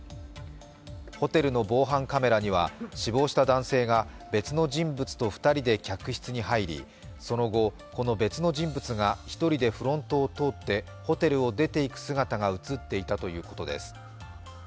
ホテルの防犯カメラには、死亡した男性が別の人物と２人で客室に入り、その後、この別の人物が１人でフロントを通ってホテルを出ていく姿が映っていたということです。